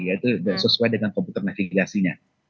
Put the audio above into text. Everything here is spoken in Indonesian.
ya itu sesuai dengan komputer navigasinya